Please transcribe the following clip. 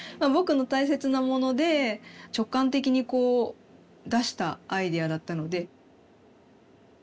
「ぼく」の大切なもので直感的にこう出したアイデアだったので。